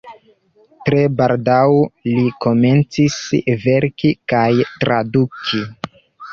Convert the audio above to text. Tre baldaŭ li komencis verki kaj traduki.